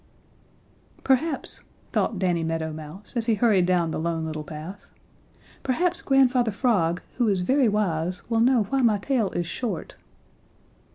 "Perhaps," thought Danny Meadow Mouse as he hurried down the Lone Little Path, "perhaps Grandfather Frog, who is very wise, will know why my tail is short."